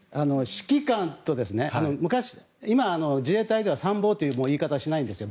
指揮官と今、自衛隊では参謀という言い方はもうしないんですよ。